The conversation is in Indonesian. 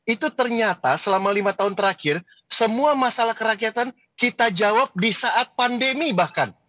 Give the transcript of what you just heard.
itu ternyata selama lima tahun terakhir semua masalah kerakyatan kita jawab di saat pandemi bahkan